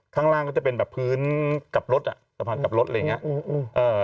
ข้างล่างก็จะเป็นแบบพื้นกับรถอ่ะสะพานกับรถอะไรอย่างเงี้อืมเอ่อ